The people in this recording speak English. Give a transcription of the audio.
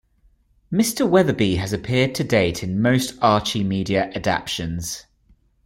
Mr. Weatherbee has appeared to date in most Archie media adaptions.